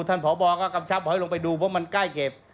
ท่านผอบอกว่ากำชับให้ลงไปดูเพราะมันใกล้เข็บ